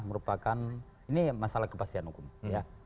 merupakan ini masalah kepastian hukum ya